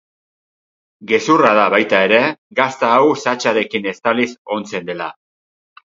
Gezurra da, baita ere, gazta hau satsarekin estaliz ontzen dela.